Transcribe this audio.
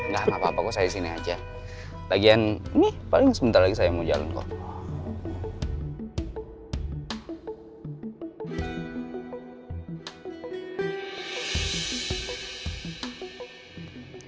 gak apa apa kok saya disini aja lagian nih paling sebentar lagi saya mau jalan kok